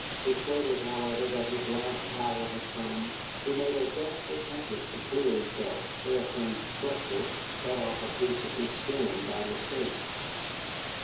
Persuaded, however, that his last hour was come, he made a desperate effort to clear himself, whereupon Fletcher cut off a piece of his skin by mistake.